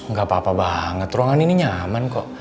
nggak apa apa banget ruangan ini nyaman kok